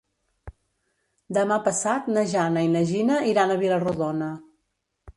Demà passat na Jana i na Gina iran a Vila-rodona.